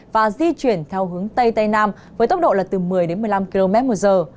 và di chuyển theo hướng tây tây nam với tốc độ là từ một mươi đến một mươi năm km một giờ